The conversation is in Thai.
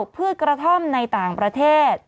พืชกระท่อมในต่างประเทศ